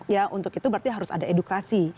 ya untuk itu berarti harus ada edukasi